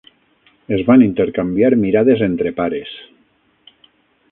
Es van intercanviar mirades entre pares.